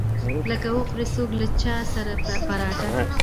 لکه وخوري څوک له چاى سره پراټه.